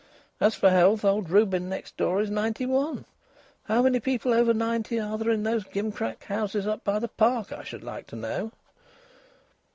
As for health, old Reuben next door is ninety one. How many people over ninety are there in those gimcrack houses up by the Park, I should like to know?"